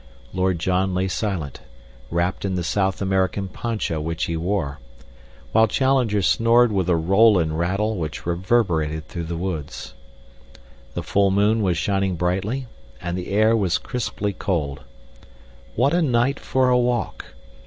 Lord John lay silent, wrapped in the South American poncho which he wore, while Challenger snored with a roll and rattle which reverberated through the woods. The full moon was shining brightly, and the air was crisply cold. What a night for a walk!